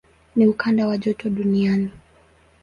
Ni ukanda wa joto duniani.